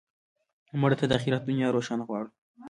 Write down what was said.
مړه ته د آخرت دنیا روښانه غواړو